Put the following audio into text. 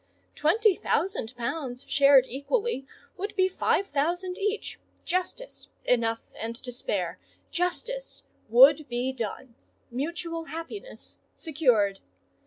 Twenty thousand pounds shared equally would be five thousand each, justice—enough and to spare: justice would be done,—mutual happiness secured.